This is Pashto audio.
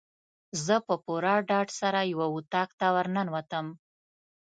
زه په پوره ډاډ سره یو اطاق ته ورننوتم.